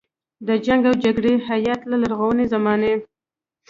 د جنګ او جګړې هیت له لرغونې زمانې.